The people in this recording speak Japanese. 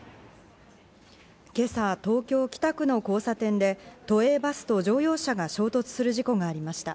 今朝、東京・北区の交差点で都営バスと乗用車が衝突する事故がありました。